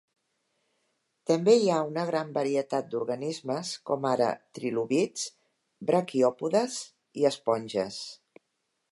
També hi ha una gran varietat d'organismes, com ara trilobits, braquiòpodes i esponges.